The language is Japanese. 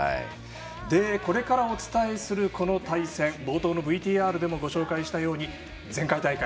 これからお伝えするこの対戦冒頭のＶＴＲでもご紹介したように前回大会